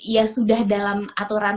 ya sudah dalam aturan